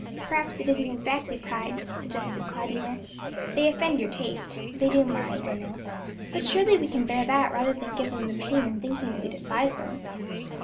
"Perhaps it isn't exactly pride," suggested Claudina; "they offend your taste; they do mine, I know; but surely we can bear that rather than give them the pain of thinking that we despise them."